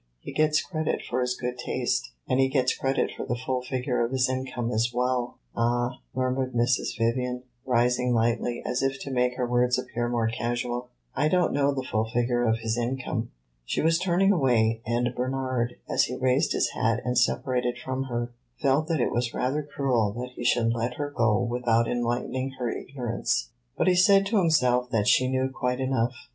"He gets credit for his good taste and he gets credit for the full figure of his income as well!" "Ah," murmured Mrs. Vivian, rising lightly, as if to make her words appear more casual, "I don't know the full figure of his income." She was turning away, and Bernard, as he raised his hat and separated from her, felt that it was rather cruel that he should let her go without enlightening her ignorance. But he said to himself that she knew quite enough.